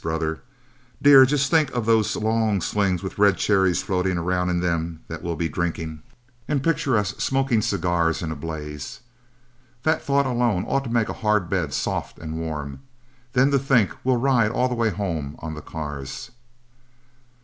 Brother, dear, just think of those long slings with red cherries floating around in them that we'll be drinking, and picture us smoking cigars in a blaze. That thought alone ought to make a hard bed both soft and warm. Then to think we'll ride all the way home on the cars."